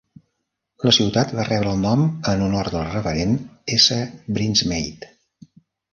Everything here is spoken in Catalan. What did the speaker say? La ciutat va rebre el nom en honor del reverend S. Brinsmade.